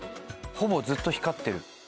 ほぼずっと光ってる。